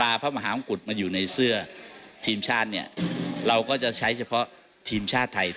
อันตรวจป่าว